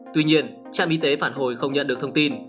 tuy nhiên trạm y tế phản hồi không nhận được thông tin